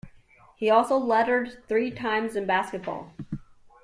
He also lettered three times in basketball.